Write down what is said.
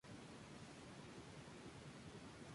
Es sede del condado de Northampton.